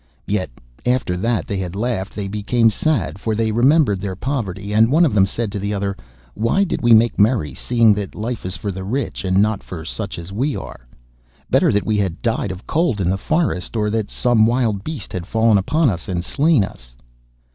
Yet, after that they had laughed they became sad, for they remembered their poverty, and one of them said to the other, 'Why did we make merry, seeing that life is for the rich, and not for such as we are? Better that we had died of cold in the forest, or that some wild beast had fallen upon us and slain us.